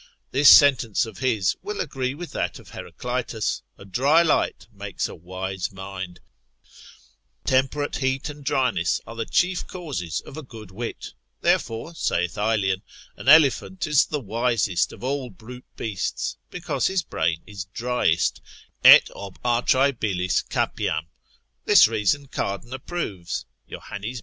This sentence of his will agree with that of Heraclitus, a dry light makes a wise mind, temperate heat and dryness are the chief causes of a good wit; therefore, saith Aelian, an elephant is the wisest of all brute beasts, because his brain is driest, et ob atrae, bilis capiam: this reason Cardan approves, subtil. l.